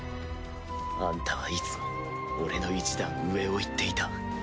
アンタはいつも俺の一段上をいっていた。